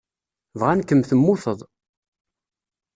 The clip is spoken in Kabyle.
Bɣan-kem temmuteḍ.